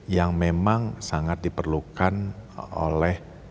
yang memang sangat diperlukan oleh